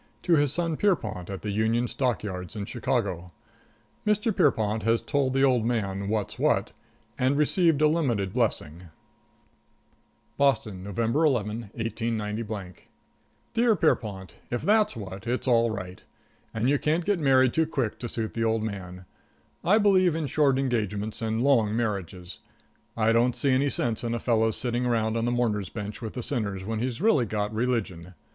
to his son, || Pierrepont, at the Union || Stock Yards in Chicago. || Mr. Pierrepont has told || the old man "what's what" || and received a limited || blessing. |++ XX BOSTON, November 11, 189 Dear Pierrepont: If that's what, it's all right. And you can't get married too quick to suit the old man. I believe in short engagements and long marriages. I don't see any sense in a fellow's sitting around on the mourner's bench with the sinners, after he's really got religion.